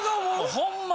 ホンマに。